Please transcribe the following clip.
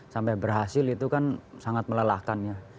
sampai berhasil itu kan sangat melelahkan ya